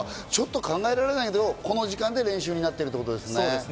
ちょっと考えられないけど、この時間で練習になっているんですね。